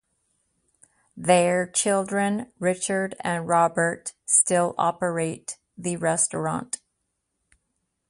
Their children Richard and Robert still operate the restaurant.